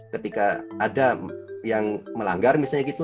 ketika ada yang melanggar misalnya gitu